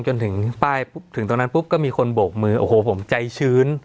จนถึงป้ายปุ๊บถึงตรงนั้นปุ๊บก็มีคนโบกมือโอ้โหผมใจชื้น